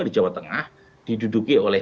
di jawa tengah diduduki oleh